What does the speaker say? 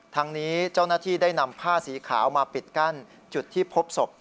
ทางนี้เจ้าหน้าที่ได้นำผ้าสีขาวมาปิดกั้นจุดที่พบศพ